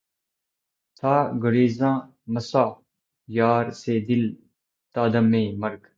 تھا گریزاں مژہٴ یار سے دل تا دمِ مرگ